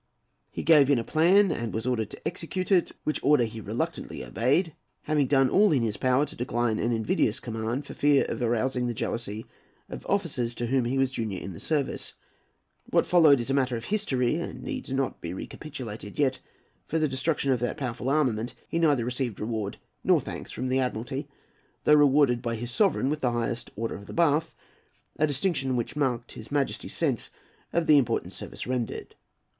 He gave in a plan, and was ordered to execute it, which order he reluctantly obeyed, having done all in his power to decline an invidious command, for fear of arousing the jealousy of officers to whom he was junior in the service. What followed is matter of history, and needs not to be recapitulated. Yet for the destruction of that powerful armament he neither received reward nor thanks from the Admiralty, though rewarded by his sovereign with the highest order of the Bath, a distinction which marked his Majesty's sense of the important service rendered.